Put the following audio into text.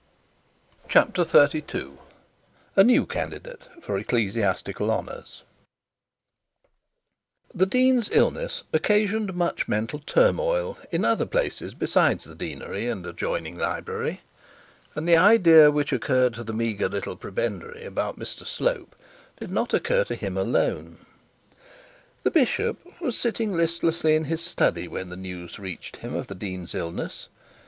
CHAPTER XXXII A NEW CANDIDATE FOR ECCLESIASTICAL HONOURS The dean's illness occasioned much mental turmoil in other places besides the deanery and adjoining library, and the idea which occurred to the meagre little prebendary about Mr Slope did not occur to him alone. The bishop was sitting listlessly in his study when the news reached him of the dean's illness.